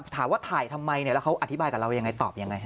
ถามว่าถ่ายทำไมแล้วเขาอธิบายกับเรายังไงตอบยังไงฮ